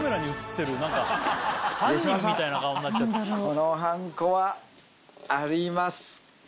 このはんこはありますか？